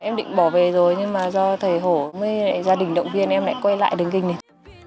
em định bỏ về rồi nhưng mà do thầy hổ mới lại gia đình động viên em lại quay lại điền kinh này